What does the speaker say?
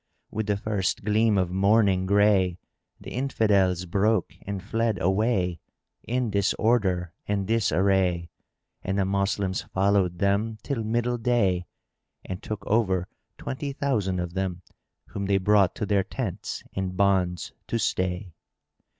With the first gleam of morning grey the Infidels broke and fled away, in disorder and disarray; and the Moslems followed them till middle day and took over twenty thousand of them, whom they brought to their tents in bonds to stay.